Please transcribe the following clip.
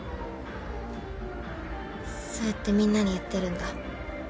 そうやってみんなに言ってるんだ？